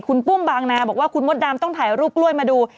คุณปุ้มบางนาบอกว่าคุณมดดำต้องถ่ายรูปกล้วยมาดู